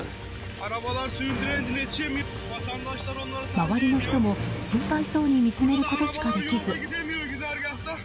周りの人も心配そうに見つめることしかできず。